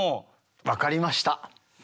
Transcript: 分かりました！